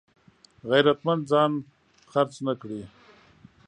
غیرتمند ځان خرڅ نه کړي